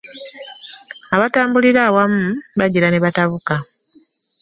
Abatambulira awamu bagira ne batabuka.